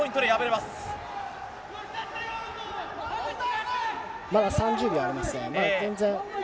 まだ３０秒ありますから。